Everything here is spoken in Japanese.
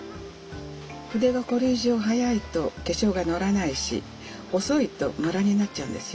筆がこれ以上速いと化粧が乗らないし遅いとムラになっちゃうんですよ。